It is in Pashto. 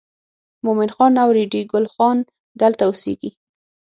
مومن خان او ریډي ګل خان دلته اوسېږي.